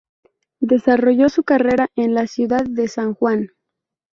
Desarrollo su carrera en la ciudad de San Juan.